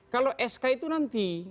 kalau sk itu nanti